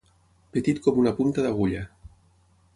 Petit com una punta d'agulla.